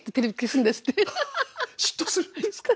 嫉妬するんですか？